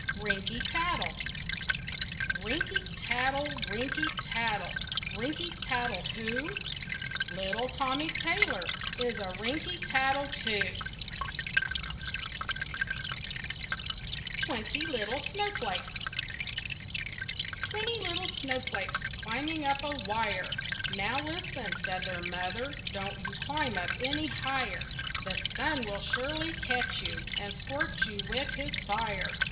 RINKY TATTLE Rinky tattle, rinky tattle, Rinky tattle who? Little Tommy Taylor Is a rinky tattle too. TWENTY LITTLE SNOWFLAKES Twenty little snowflakes climbing up a wire. "Now, listen," said their mother, "don't you climb up any higher. The sun will surely catch you, and scorch you with his fire."